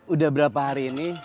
udah berapa hari ini